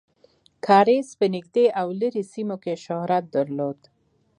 کاریز په نږدې او لرې سیمو کې شهرت درلود.